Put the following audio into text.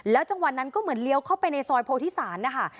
จังหวะนั้นก็เหมือนเลี้ยวเข้าไปในซอยโพธิศาลนะคะ